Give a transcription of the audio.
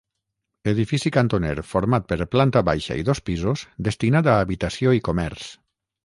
Edifici cantoner format per planta baixa i dos pisos destinat a habitació i comerç.